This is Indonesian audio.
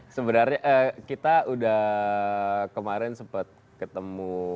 sebenarnya kita udah kemarin sempat ketemu